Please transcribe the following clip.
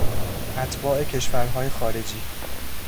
اتباع کشورهای خارجی